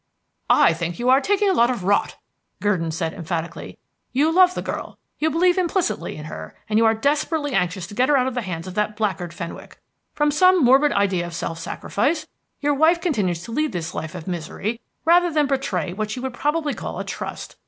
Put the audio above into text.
"I think you are talking a lot of rot," Gurdon said emphatically. "You love the girl, you believe implicitly in her, and you are desperately anxious to get her out of the hands of that blackguard, Fenwick. From some morbid idea of self sacrifice, your wife continues to lead this life of misery rather than betray what she would probably call a trust.